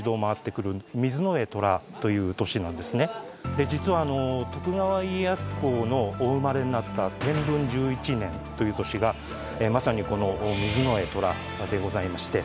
さらに実は徳川家康公のお生まれになった天文１１年という年がまさにこの壬寅でございまして。